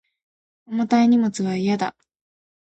重たい荷物は嫌だ